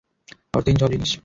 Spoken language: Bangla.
অর্থহীন সব জিনিস।